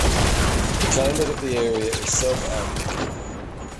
The climate of the area is subarctic.